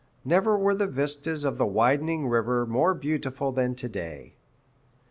Never were the vistas of the widening river more beautiful than to day.